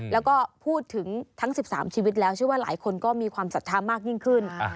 แล้วก็พูดถึงทั้ง๑๓ชีวิตแล้วเชื่อว่าหลายคนก็มีความศรัทธามากยิ่งขึ้น